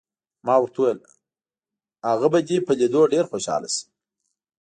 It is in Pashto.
ما ورته وویل: هغوی به دې په لیدو ډېر خوشحاله شي.